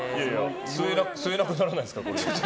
吸えなくならないですか？